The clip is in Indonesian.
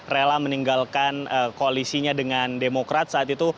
rela meninggalkan koalisinya dengan demokrat saat itu